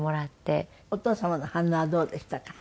お父様の反応はどうでしたか？